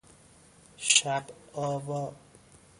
شب آوا